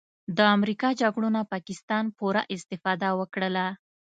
د امریکا جګړو نه پاکستان پوره استفاده وکړله